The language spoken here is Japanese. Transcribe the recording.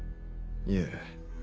いえ。